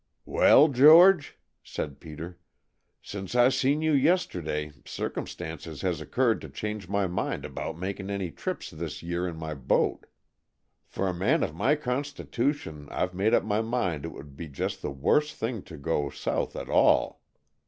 "Well, George," said Peter, "since I seen you yesterday circumstances has occurred to change my mind about making any trips this year in my boat. For a man of my constitution I've made up my mind it would be just the worst thing to go south at all.